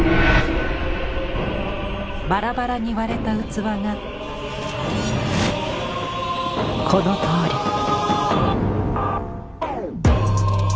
バラバラに割れた器がこのとおり。